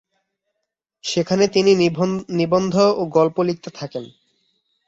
সেখানে তিনি নিবন্ধ ও গল্প লিখতে থাকেন।